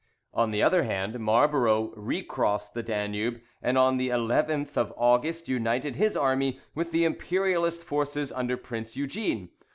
On the other hand, Marlborough re crossed the Danube, and on the 11th of August united his army with the Imperialist forces under Prince Eugene.